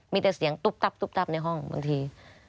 มีแต่เสียงตุ๊บตับตุ๊บตับในห้องบางที